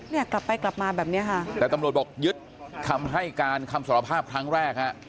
เนี่ยกลับไปกลับมาแบบเนี้ยค่ะแต่ตำรวจบอกยึดคำให้การคำสารภาพครั้งแรกฮะ